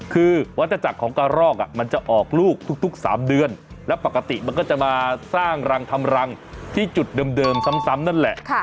คือวัตจักรของกระรอกมันจะออกลูกทุก๓เดือนแล้วปกติมันก็จะมาสร้างรังทำรังที่จุดเดิมซ้ำนั่นแหละ